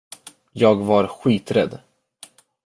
Jag var skiträdd!